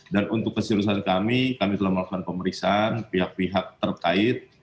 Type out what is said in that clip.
dan untuk keseriusan kami kami telah melakukan pemeriksaan pihak pihak terkait